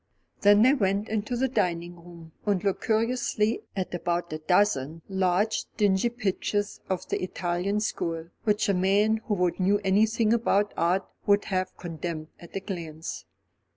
Then they went into the dining room, and looked cursorily at about a dozen large dingy pictures of the Italian school, which a man who knew anything about art would have condemned at a glance.